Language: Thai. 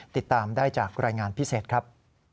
ติดตามได้จากรายงานพิเศษครับ